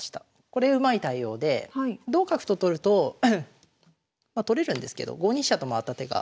これうまい対応で同角と取るとまあ取れるんですけど５二飛車と回った手が。